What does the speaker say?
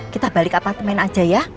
kita balik apartemen aja ya